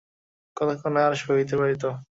কতক্ষণ আর সহিতে পারিত?